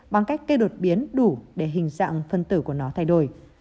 bằng cách cây đột biến đủ để hình dạng phân tử của nó thay đổi